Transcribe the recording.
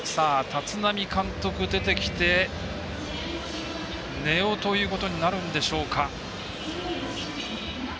立浪監督出てきて根尾ということになるんでしょうか。